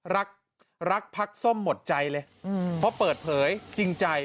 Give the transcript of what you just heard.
รักรักพักส้มหมดใจเลยเพราะเปิดเผยจริงใจ